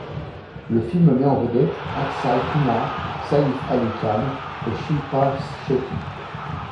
Le film met en vedette Akshay Kumar, Saif Ali Khan et Shilpa Shetty.